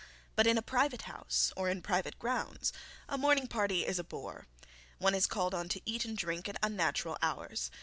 But in a private home or in private grounds a morning party is a bore. One is called on to eat and drink at unnatural hours.